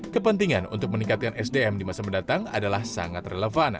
kepentingan untuk meningkatkan sdm di masa mendatang adalah sangat relevan